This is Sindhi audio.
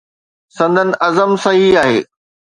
سندن عزم صحيح آهي.